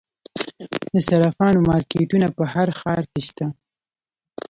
د صرافانو مارکیټونه په هر ښار کې شته